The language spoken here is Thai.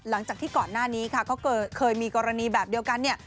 หลังจากที่ก่อนหน้านี้ค่ะก็เคยมีกรณีแบบเดียวกันเนี่ย